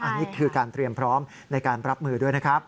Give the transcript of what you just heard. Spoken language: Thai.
อันนี้คือการเตรียมพร้อมในการรับมือด้วยนะครับ